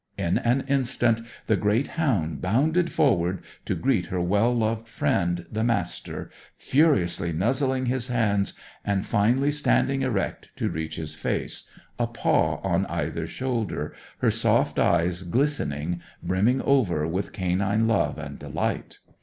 In an instant, the great hound bounded forward to greet her well loved friend, the Master, furiously nuzzling his hands, and finally standing erect to reach his face, a paw on either shoulder, her soft eyes glistening, brimming over with canine love and delight.